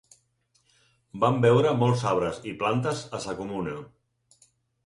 Vam veure molts arbres i plantes a Sa Comuna.